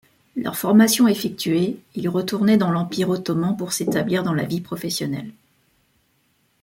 Leur formation effectuée, ils retournaient dans l’Empire ottoman pour s’établir dans la vie professionnelle.